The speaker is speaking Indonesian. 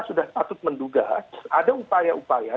sudah patut menduga ada upaya upaya